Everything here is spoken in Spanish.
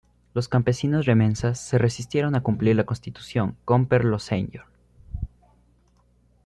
Los campesinos remensas se resistieron a cumplir la constitución "Com per lo senyor".